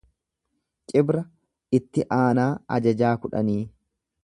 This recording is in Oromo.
Cibra itti aanaa ajajaa kudhanii.